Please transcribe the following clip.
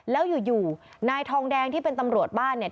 แล้วอยู่นายทองแดงที่เป็นตำรวจบ้านเนี่ย